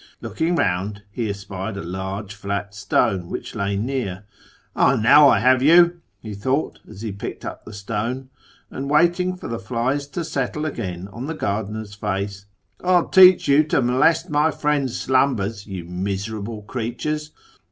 Looking round he espied a large flat stone which lay near. ' Ah, now, I have you,' he thought, as he picked up the stone and waited for the flies to settle again on the gardener's face ;' I'll teach you to molest my friend's slumbers, you miserable creatures